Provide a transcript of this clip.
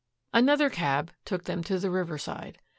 Another cab took them to the Riverside.